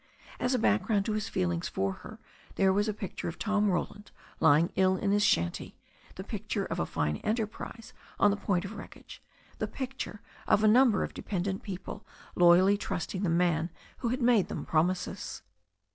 As a background to his feeling for her there was the picture of Tom Roland lying ill in his shanty, the picture of a fine enterprise on the point of wreckage, the picture of a number of dependent people loyally trusting the man who had made them promises.